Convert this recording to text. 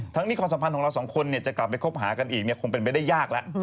นี้ความสัมพันธ์ของเราสองคนจะกลับไปคบหากันอีกคงเป็นไปได้ยากแล้ว